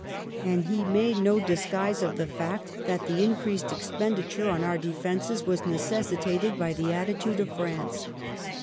And he made no disguise of the fact that the increased expenditure on our defences was necessitated by the attitude of France.